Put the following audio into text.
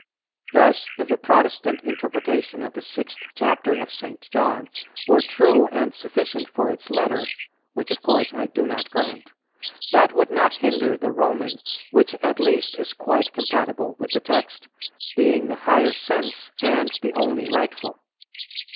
Thus, if the Protestant interpretation of the sixth chapter of St. John were true and sufficient for its letter, (which of course I do not grant,) that would not hinder the Roman, which at least is quite compatible with the text, being the higher sense and the only rightful.